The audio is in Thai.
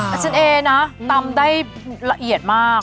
ฉันเอนะตำได้ละเอียดมาก